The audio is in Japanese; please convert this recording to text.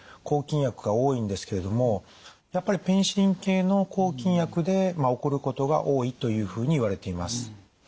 抗菌薬が多いんですけれどもやっぱりペニシリン系の抗菌薬で起こることが多いというふうにいわれています。